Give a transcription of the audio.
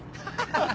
ハハハ。